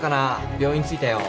病院着いたよ。